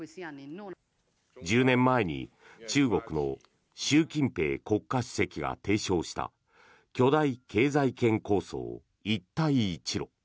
１０年前に中国の習近平国家主席が提唱した巨大経済圏構想、一帯一路。